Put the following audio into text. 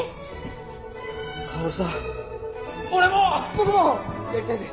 僕もやりたいです！